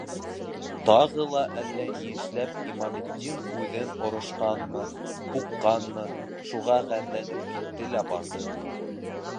Тағы ла әллә ни эшләп Имаметдин үҙен орошҡанмы, һуҡҡанмы, шуға ғәрләнеп китте лә барҙы.